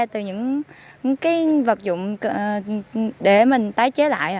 từ những vật dụng để mình tái chế lại